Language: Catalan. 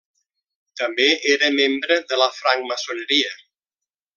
També era membre de la francmaçoneria.